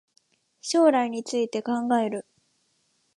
将来について考える